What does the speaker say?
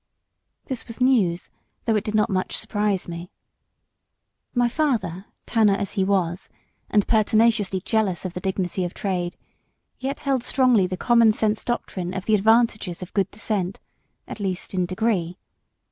This was news, though it did not much surprise me. My father, tanner as he was, and pertinaciously jealous of the dignity of trade, yet held strongly the common sense doctrine of the advantages of good descent; at least, in degree.